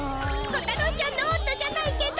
コタロウちゃんのおんどじゃないけど。